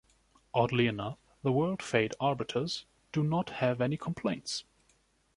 Oddly enough, the world fate arbiters do not have any complaints.